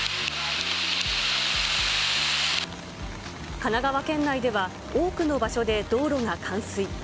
神奈川県内では多くの場所で道路が冠水。